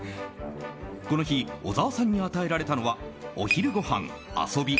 この日小澤さんに与えられたのはお昼ごはん、遊び、